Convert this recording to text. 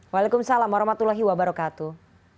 waalaikumsalam warahmatullahi wabarakatuh